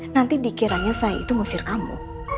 nanti dikiranya saya itu ngusir kamu